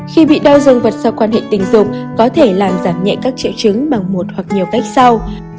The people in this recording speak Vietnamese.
khi bị đau dương vật sau quan hệ tình dục có thể làm giảm nhẹ các triệu chứng bằng một hoặc nhiều cách sau